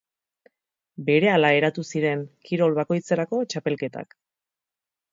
Berehala eratu ziren kirol bakoitzerako txapelketak.